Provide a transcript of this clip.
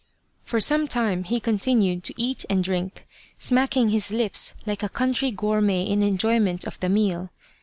For some time he continued to eat and drink, smack ing his lips like a country gourmet in enjoyment of the meal.